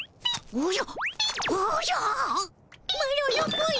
おじゃ。